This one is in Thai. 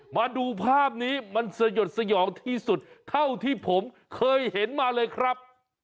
มาดูภาพนี้มันสยดสยองที่สุดเท่าที่ผมเคยเห็นมาเลยครับ